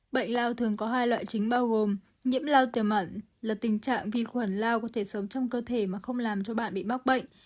bệnh lao thường có hai loại chính bao gồm nhiễm lao tiềm ẩn là tình trạng vi khuẩn lao có thể sống trong cơ thể mà không làm cho bạn bị mắc bệnh